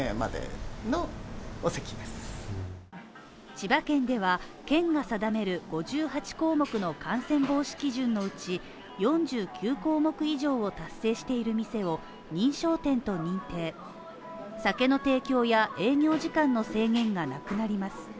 千葉県では、県が定める５８項目の感染防止基準のうち４９項目以上を達成している店を認証店と認定酒の提供や営業時間の制限がなくなります。